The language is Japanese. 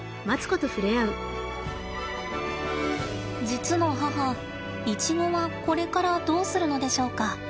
実の母イチゴはこれからどうするのでしょうか？